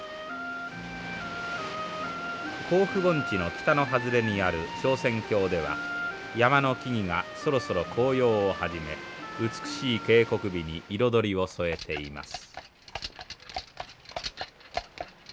甲府盆地の北の外れにある昇仙峡では山の木々がそろそろ紅葉を始め美しい渓谷美に彩りを添えています。